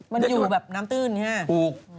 มันอยู่แบบน้ำตื้นใช่ไหม